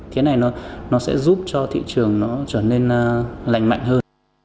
thế này nó sẽ giúp cho thị trường nó trở nên lành mạnh hơn